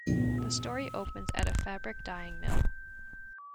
The story opens at a fabric dyeing mill.